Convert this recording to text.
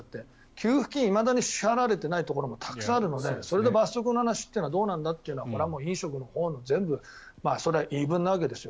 給付金支払われていないところもたくさんあるので、それで罰則の話はどうなんだってのが飲食のほうの言い分のわけですよ。